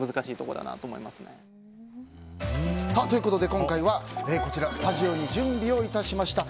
今回はスタジオに準備をいたしました。